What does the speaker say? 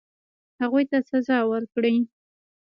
هغوی ته سزا ورکړي.